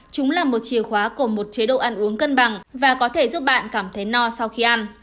chúng là một chìa khóa của một chế độ ăn uống cân bằng và có thể giúp bạn cảm thấy no sau khi ăn